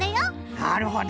なるほど。